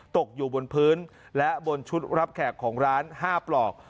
ตกอยู่บนพื้นและบนชุดรับแขกของร้าน๕ปลอก